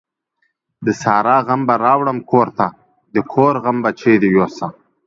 د سارا غم به راوړم کورته ، دکور غم به چيري يو سم ؟.